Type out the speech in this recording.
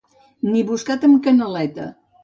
Ni buscat amb canaleta.